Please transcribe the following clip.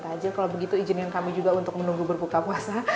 kalau begitu izinkan kami juga untuk menunggu berbuka puasa